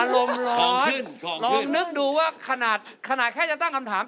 ลองนึกดูว่าขนาดแค่จะตั้งคำถาม